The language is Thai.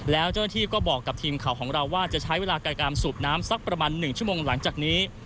แล้วเจ้าหน้าที่ก็บอกกับทีมข่าวของเราว่าจะใช้เวลากับการสูบน้ำสักประมาณ๑ชั่วโมงหลังจากนี้